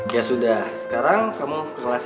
ya sudah sekarang kamu ke kelas ya